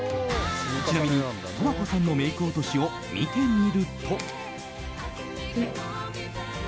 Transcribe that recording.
ちなみに十和子さんのメイク落としを見てみると。